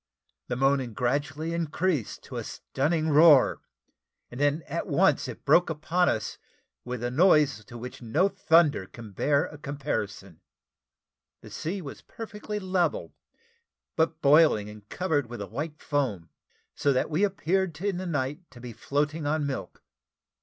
The moaning gradually increased to a stunning roar, and then at once it broke upon us with a noise to which no thunder can bear a comparison. The sea was perfectly level, but boiling, and covered with a white foam, so that we appeared in the night to be floating on milk.